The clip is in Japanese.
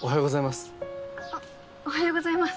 おはようございます。